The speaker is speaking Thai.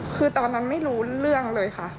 คือตอนนั้นไม่รู้เรื่องเลยค่ะ